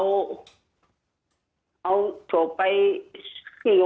น้องให้เขา